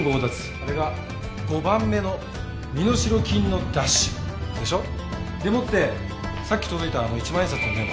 これが５番目の身代金の奪取でしょ？でもってさっき届いたあの１万円札のメモ